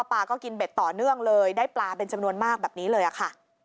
ปลาก็กินเบ็ดต่อเนื่องเลยได้ปลาเป็นจำนวนมากแบบนี้เลยค่ะ